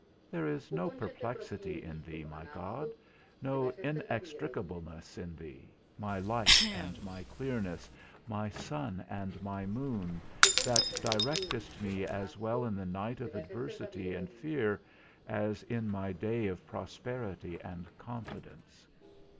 There is no perplexity in thee, my God; no inextricableness in thee, my light and my clearness, my sun and my moon, that directest me as well in the night of adversity and fear, as in my day of prosperity and confidence.